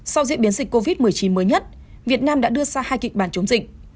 sau diễn biến dịch covid một mươi chín mới nhất việt nam đã đưa ra hai kịch bản chống dịch